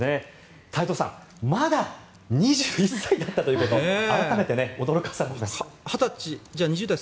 太蔵さんまだ２１歳だったということ改めて驚かされます。